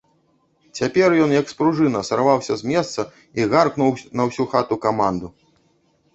Цяпер ён, як спружына, сарваўся з месца і гаркнуў на ўсю хату каманду.